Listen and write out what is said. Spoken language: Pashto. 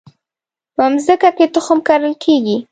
په مځکه کې تخم کرل کیږي